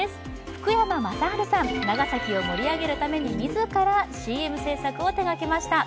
福山雅治さん、長崎を盛り上げるために自らＣＭ制作を手がけました。